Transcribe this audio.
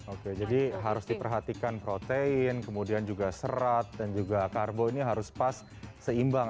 oke jadi harus diperhatikan protein kemudian juga serat dan juga karbo ini harus pas seimbang